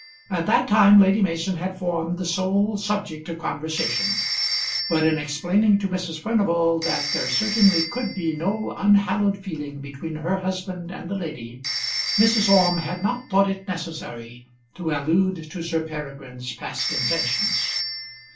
At that time Lady Mason had formed the sole subject of conversation; but in explaining to Mrs. Furnival that there certainly could be no unhallowed feeling between her husband and the lady, Mrs. Orme had not thought it necessary to allude to Sir Peregrine's past intentions.